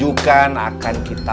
lo gak sabaran sih